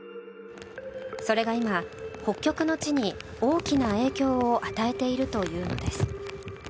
それが今、北極の地に大きな影響を与えているというのです。